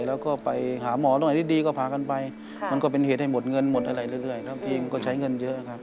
แล้วก็ไปหาหมอด้วยดีก็พากันไปมันก็เป็นเหตุว่าได้หมดเงินหมดอะไรด้วยครับพี่อิ่มก็ใช้เงินเยอะครับ